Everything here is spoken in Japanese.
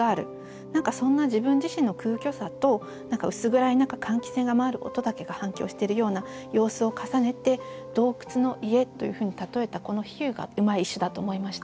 何かそんな自分自身の空虚さと薄暗い中換気扇が回る音だけが反響してるような様子を重ねて「洞窟の家」というふうに例えたこの比喩がうまい一首だと思いました。